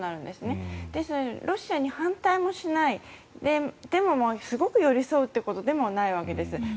ですので、ロシアに反対もしないでも、すごく寄り添うということでもないわけです。